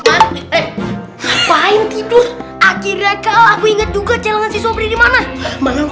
ngapain tidur akhirnya kau aku ingat juga celepd susu abd mana mana